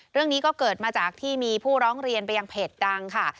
เรื่องนี้ก็เกิดมาจากที่มีผู้ร้องเรียนไปยังเพจดังค่ะ